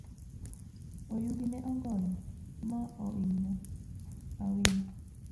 Oyugi ne ogoyo ma oinyo awino.